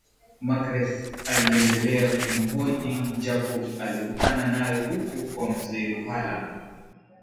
Magreth aliendelea kumuhoji Jacob alokutana nayo huko kwa mzee ruhala